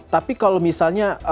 tapi kalau misalnya